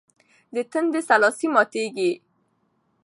د تندي سلاسې ماتېږي.